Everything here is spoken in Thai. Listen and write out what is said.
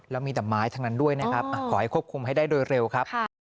แล้วมีแต่ไม้ทั้งนั้นด้วยนะครับขอให้ควบคุมให้ได้โดยเร็วครับ